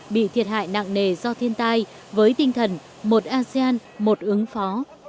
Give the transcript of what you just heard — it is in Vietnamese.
bị thiệt hại nặng nề do thiên tai với tinh thần một asean một ứng phó